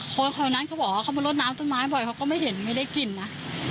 คนแถวนั้นเขาบอกว่าเขามาลดน้ำต้นไม้บ่อยเขาก็ไม่เห็นไม่ได้กินนะ